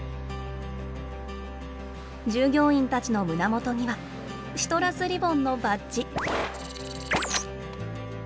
従業員たちの胸元にはシトラスリボンのバッジ。